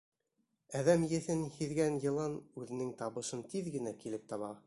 Әҙәм еҫен һиҙгән йылан үҙенең табышын тиҙ генә килеп таба.